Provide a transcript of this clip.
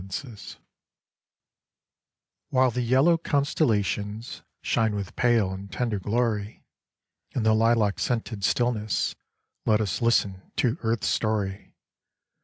21 WHILE the yellow constellations shine with pale and tender glory, In the lilac scented stillness let us listen to earth's story.